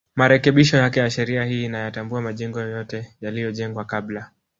Marekebisho yake ya sheria hii inayatambua majengo yote yaliyojengwa kabla